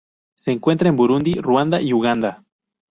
Se encuentra en Burundi, Ruanda y Uganda.